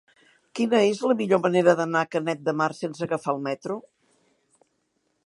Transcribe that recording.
Quina és la millor manera d'anar a Canet de Mar sense agafar el metro?